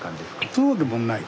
そうでもない。